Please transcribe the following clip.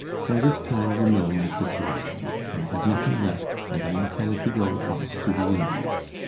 By this time you know my situation. I have nothing left, and I intend to go at once to the Indies.